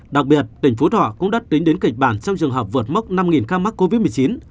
đặc biệt tỉnh phú thọ cũng đã tính đến kịch bản trong trường hợp vượt mốc năm ca mắc covid một mươi chín